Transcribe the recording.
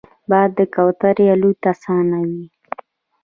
باد د کوترې الوت اسانوي